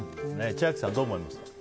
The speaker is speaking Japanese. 千秋さん、どう思いますか？